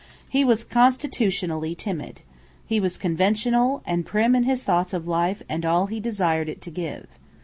He was constitutionally timid. He was conventional, and prim in his thoughts of life and all he desired it to give.